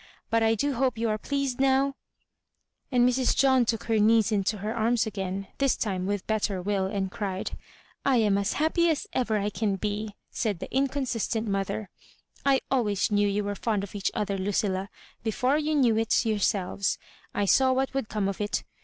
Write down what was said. but I do hope you are pleased now ?" And Mrs. John took her niece into her arms again, this time with better will, and cried. " I am as happy as ever I can be," said the incon sistent motiier. "I always knew you were fond of each other, Ludlla; before you knew it yourselves, I saw what would come of it.